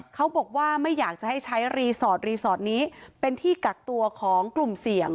เขาบอกว่าไม่อยากจะให้ใช้รีสอร์ทรีสอร์ทนี้เป็นที่กักตัวของกลุ่มเสี่ยง